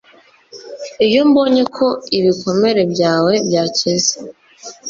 iyo mbonye ko ibikomere byawe byakize